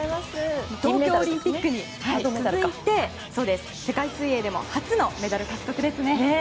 東京オリンピックに続いて世界水泳でも初のメダル獲得ですね。